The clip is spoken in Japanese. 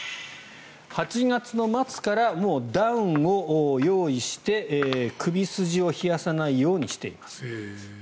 ８月の末からもうダウンを用意して首筋を冷やさないようにしています。